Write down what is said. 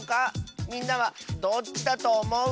みんなはどっちだとおもう？